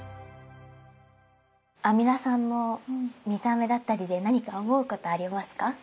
阿弥陀さんの見た目だったりで何か思うことありますか？